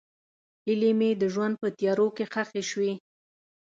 هیلې مې د ژوند په تیارو کې ښخې شوې.